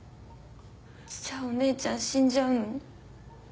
じゃあお姉ちゃん死んじゃうの？